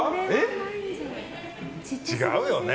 違うよね？